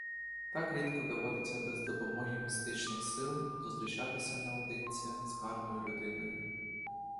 Так рідко доводиться без допомоги містичних сил зустрічатися наодинці з гарною людиною.